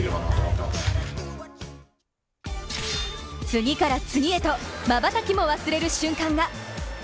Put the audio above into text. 次から次へとまばたきも忘れる瞬間が。